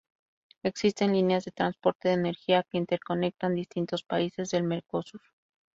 Existen líneas de transporte de energía que interconectan distintos países del Mercosur.